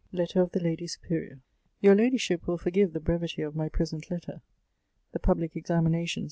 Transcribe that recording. letter of the ladt superior. " TTOXJR ladyship will forgive the brevity of my pres J[ ent letter. The public examinations